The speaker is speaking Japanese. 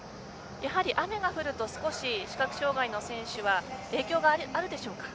やはり雨が降ると視覚障がいの選手影響があるでしょうか。